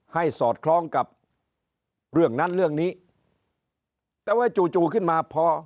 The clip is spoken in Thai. สอดคล้องกับเรื่องนั้นเรื่องนี้แต่ว่าจู่จู่ขึ้นมาพอ